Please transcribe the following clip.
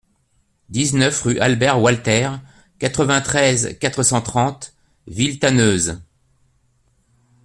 dix-neuf rue Albert Walter, quatre-vingt-treize, quatre cent trente, Villetaneuse